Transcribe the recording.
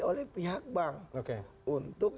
oleh pihak bank